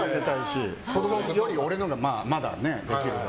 子供より俺のほうがまだできるから。